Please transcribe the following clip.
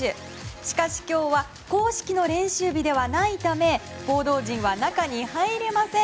しかし今日は公式の練習日ではないため報道陣は中に入れません。